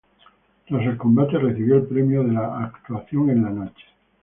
Tras el combate, recibió el premio a la "Actuación en la Noche".